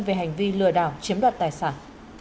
về hành vi lừa đảo chiếm đoạt tài sản